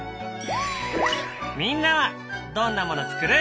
みんなはどんなもの作る？